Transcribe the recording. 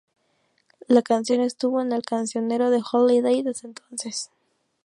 La canción estuvo en el cancionero de Holiday desde entonces.